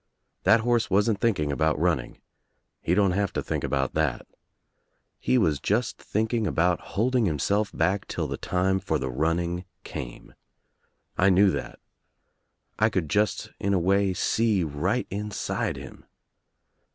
That horse wasn't thinking about running. He don't have to think about that. He was just thinking about holding himself back 'til the time for the running came. I knew that. I could just in a way see right inside him.